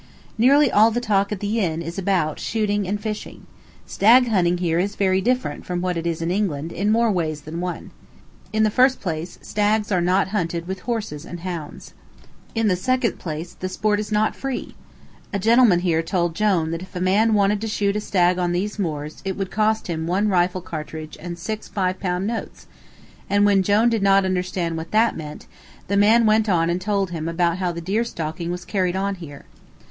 Nearly all the talk at the inn is about, shooting and fishing. Stag hunting here is very different from what it is in England in more ways than one. In the first place, stags are not hunted with horses and hounds. In the second place, the sport is not free. A gentleman here told Jone that if a man wanted to shoot a stag on these moors it would cost him one rifle cartridge and six five pound notes; and when Jone did not understand what that meant, the man went on and told him about how the deer stalking was carried on here.